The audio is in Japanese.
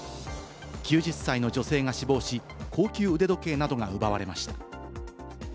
９０歳の女性が死亡し、高級腕時計などが奪われました。